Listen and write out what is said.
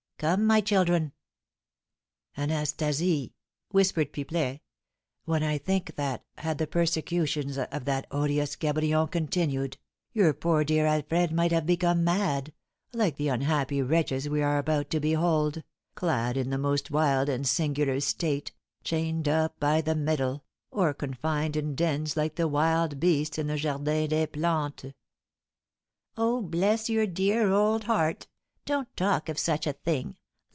Come, my children." "Anastasie," whispered Pipelet, "when I think that, had the persecutions of that odious Cabrion continued, your poor dear Alfred might have become mad, like the unhappy wretches we are about to behold, clad in the most wild and singular state, chained up by the middle, or confined in dens like the wild beasts in the 'Jardin des Plantes '" "Oh, bless your dear old heart, don't talk of such a thing!